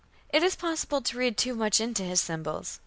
It is possible to read too much into his symbols.